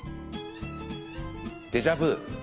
デジャブ。